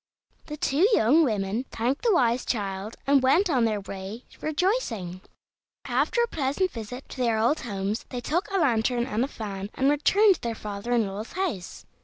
The two young women thanked the wise child, and went on their way rejoicing. After a pleasant visit to their old homes, they took a lantern and a fan, and returned to their father in law's house.